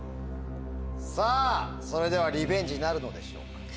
さぁそれではリベンジなるのでしょうか？